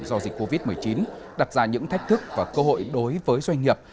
do dịch covid một mươi chín đặt ra những thách thức và cơ hội đối với doanh nghiệp